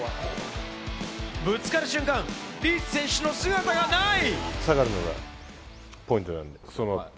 ぶつかる瞬間、リーチ選手の姿がない！